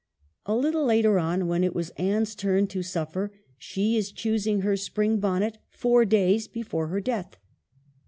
A little later on when it was Anne's turn to suffer, she is choosing her spring bonnet four days before her death.